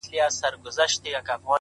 تور تم ته مي له سپیني ورځي بولي غلی غلی؛